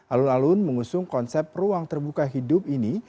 alun alun mengusung konsep ruang terbuka hidup ini